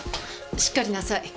しっかりなさい。